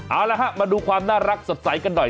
เอาละฮะมาดูความน่ารักสดใสกันหน่อย